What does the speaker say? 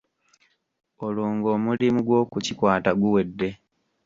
Olwo ng'omulimu gw'okukikwata guwedde.